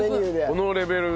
このレベル。